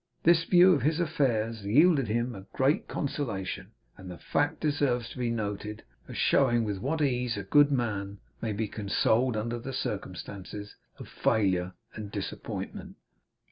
This view of his affairs yielded him great consolation; and the fact deserves to be noted, as showing with what ease a good man may be consoled under circumstances of failure and disappointment.